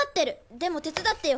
でも手伝ってよ